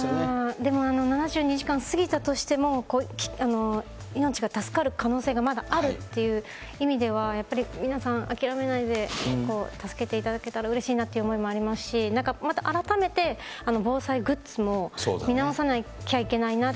でも７２時間過ぎたとしても、命が助かる可能性がまだあるという意味では、やっぱり皆さん諦めないで助けていただけたらうれしいなという思いもありますし、また改めて防災グッズも見直さなきゃいけないなって。